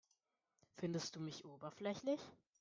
Findest du mich oberflächlich?